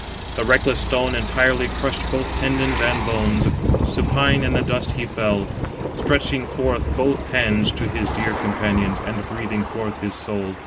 The reckless stone entirely crushed both tendons and bones; supine in the dust he fell, stretching forth both hands to his dear companions, and breathing forth his soul.